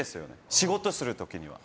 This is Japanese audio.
仕事する時には。